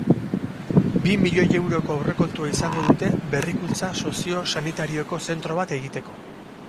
Bi milioi euroko aurrekontua izango dute berrikuntza soziosanitarioko zentro bat egiteko.